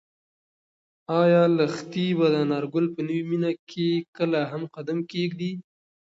ایا لښتې به د انارګل په نوې مېنه کې کله هم قدم کېږدي؟